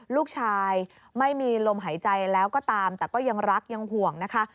ลูกชายไม่มีลมหายใจแล้วก็ตามแต่ก็ยังรักยังห่วงนะคะ